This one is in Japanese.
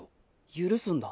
許すんだ。